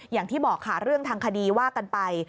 อย่างที่บอกค่ะเรื่องทางคดีว่ากันไป